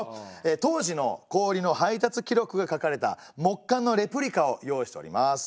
当時の氷の配達記録が書かれた木簡のレプリカを用意しております。